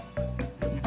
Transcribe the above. aku mau pergi jack